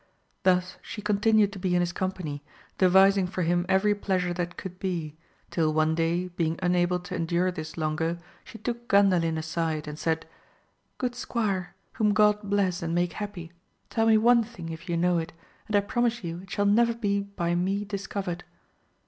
Thus she continued to be in his company, devising for him every pleasure that could be, till one day being unable to endure this longer she took Gandalin aside and said. Good squire, whom God bless and make happy, tell me one thing if you know it, and I promise you it shall never be by me discovered.